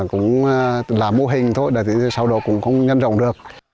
cũng làm mô hình thôi sau đó cũng không nhân rộng được